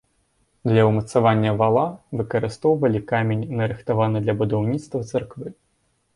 Для ўмацавання вала выкарыстоўвалі камень нарыхтаваны для будаўніцтва царквы.